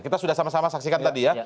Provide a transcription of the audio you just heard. kita sudah sama sama saksikan tadi ya